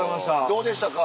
どうでしたか？